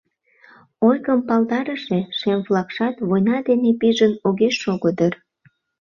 Ойгым палдарыше шем флагшат война дене пижын огеш шого дыр.